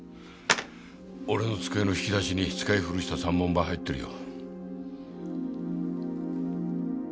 俺の机の引き出しに使い古した三文判入ってるよ。